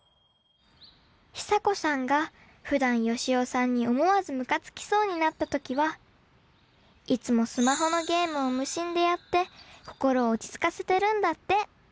ヒサコさんがふだんヨシオさんに思わずムカつきそうになった時はいつもスマホのゲームを無心でやって心を落ち着かせてるんだって！